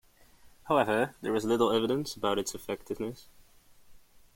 However, there is little evidence about its effectiveness.